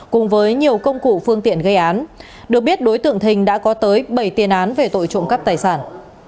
cùng với nhiều công cụ phương tiện gây án được biết đối tượng thình đã có tới bảy tiền án về tội trộm cắp tài sản